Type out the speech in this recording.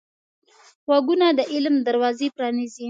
غوږونه د علم دروازې پرانیزي